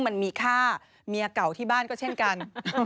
มันมีค่าเมียเก่าที่บ้านก็เช่นกัน